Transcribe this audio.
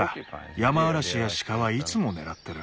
ヤマアラシやシカはいつも狙ってる。